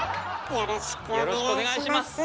よろしくお願いします！